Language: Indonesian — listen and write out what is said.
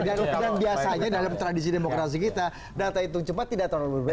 dan biasanya dalam tradisi demokrasi kita data hitung cepat tidak terlalu berbeda